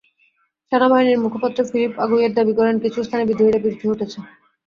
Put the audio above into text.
সেনাবাহিনীর মুখপাত্র ফিলিপ আগুয়ের দাবি করেন, কিছু স্থানে বিদ্রোহীরা পিছু হটেছে।